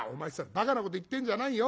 ばかなこと言ってんじゃないよ。